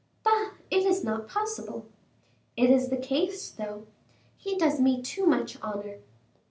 "Bah! it is not possible." "It is the case, though." "He does me too much honor."